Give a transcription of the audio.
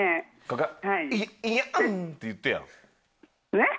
えっ？